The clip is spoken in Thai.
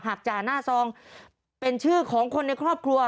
จ่าหน้าซองเป็นชื่อของคนในครอบครัว